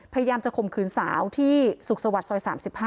พยายามจะข่มขืนสาวที่สุขสวัสดิ์ซอย๓๕